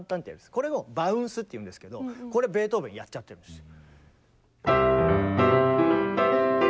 これをバウンスっていうんですけどこれベートーベンやっちゃってるんですよ。